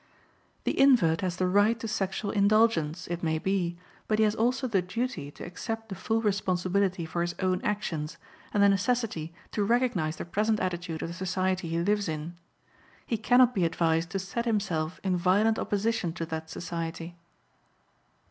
The invert has the right to sexual indulgence, it may be, but he has also the duty to accept the full responsibility for his own actions, and the necessity to recognize the present attitude of the society he lives in. He cannot be advised to set himself in violent opposition to that society.